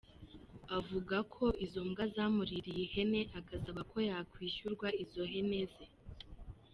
Avuga ko izo mbwa zamuririye ihene agasaba ko yakwishyurwa izo hene ze.